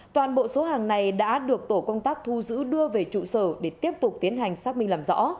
toàn bộ số hàng này đã được tổ công tác thu giữ đưa về trụ sở để tiếp tục tiến hành xác minh làm rõ